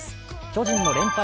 巨人の連敗